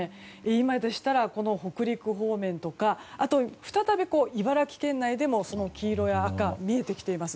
今でしたら北陸方面とかあとは再び茨城県内でも黄色や赤が見えてきています。